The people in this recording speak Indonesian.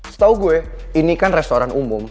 setahu gue ini kan restoran umum